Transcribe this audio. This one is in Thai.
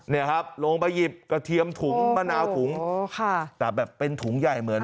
เนี่ยครับลงไปหยิบกระเทียมถุงมะนาวถุงแต่แบบเป็นถุงใหญ่เหมือน